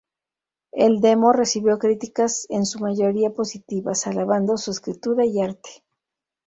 El demo recibió críticas en su mayoría positivas, alabando su escritura y arte.